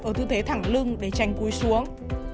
ở tư thế thẳng lưng để tránh cúi xuống